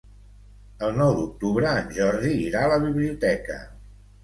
El nou d'octubre en Jordi irà a la biblioteca.